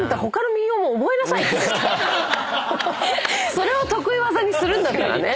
それを得意技にするんだったらね。